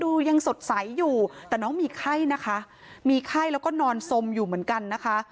ยังสดใสอยู่แต่น้องมีไข้นะคะมีไข้แล้วก็นอนสมอยู่เหมือนกันนะคะ